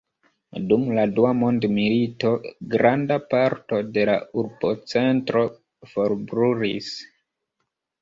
Dum la dua mondmilito granda parto de la urbocentro forbrulis.